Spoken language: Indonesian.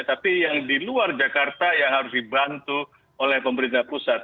tapi yang di luar jakarta yang harus dibantu oleh pemerintah pusat